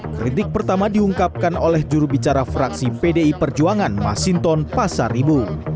kritik pertama diungkapkan oleh jurubicara fraksi pdi perjuangan masinton pasaribu